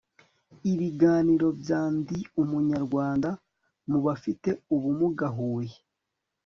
ibiganiro bya ndi umunyarwanda mu bafite ubumuga huye